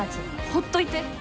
ほっといて。